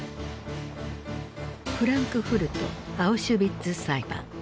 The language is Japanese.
フランクフルト・アウシュビッツ裁判。